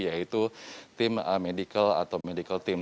yaitu tim medical atau medical team